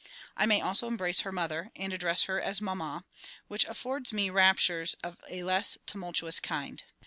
I may also embrace her Mother, and address her as "Mamma," which affords me raptures of a less tumultuous kind.